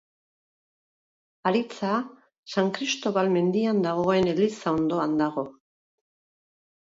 Haritza San Kristobal mendian dagoen eliza ondoan dago.